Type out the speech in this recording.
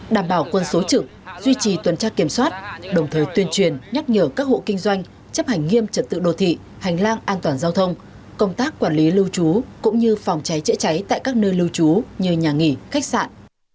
đảm bảo quân số trực duy trì tuần tra kiểm soát đồng thời tuyên truyền nhắc nhở các hộ kinh doanh chấp hành nghiêm trật tự đô thị hành lang an toàn giao thông công tác quản lý lưu trú cũng như phòng cháy chữa cháy tại các nơi lưu trú như nhà nghỉ khách sạn